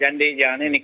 jadi gini pak